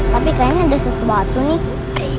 tapi kayaknya ada sesuatu nih